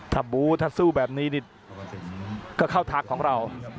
ถ้าบูถ้าสู้แบบนี้นี่ก็เข้าทางของเรา